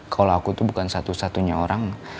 kalau aku tuh bukan satu satunya orang